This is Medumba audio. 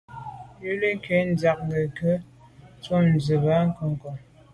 Mbā wʉ́lǒ cwɛ̌d ndíɑ̀g nə̀ ghʉ zə̀ dʉ̀' ntʉ̂m diba mbumtə ngɔ̌ngɔ̀.